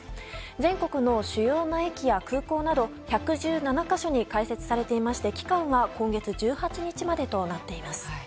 全国の主要な駅や空港など１１７か所に開設されていまして、期間は今月１８日までとなっています。